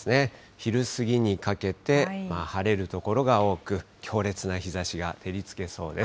昼過ぎにかけて、晴れる所が多く、強烈な日ざしが照りつけそうです。